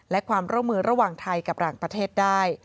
และความร่วมมือระหว่างไทยกับต่างประเทศได้